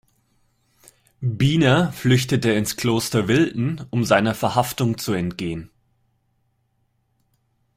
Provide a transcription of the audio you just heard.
Biener flüchtete ins Kloster Wilten, um seiner Verhaftung zu entgehen.